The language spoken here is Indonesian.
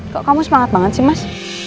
kok kamu semangat banget sih mas